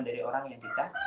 dari orang yang kita